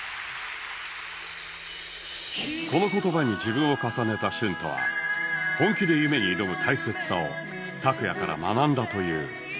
この言葉に自分を重ねた ＳＨＵＮＴＯ は本気で夢に挑む大切さを ＴＡＫＵＹＡ∞ から学んだという